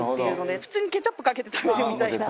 普通にケチャップかけて食べるみたいな。